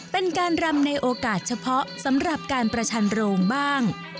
เป็นการรำในโอกาสเฉพาะสำหรับการประชันโรงบ้าง